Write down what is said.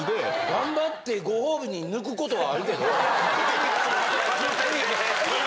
頑張ってご褒美に抜くことはあるけど。